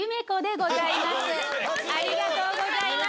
ありがとうございます。